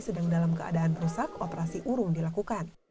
sedang dalam keadaan rusak operasi urung dilakukan